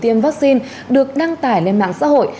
tìm tiêm vắc xin được đăng tải lên mạng xã hội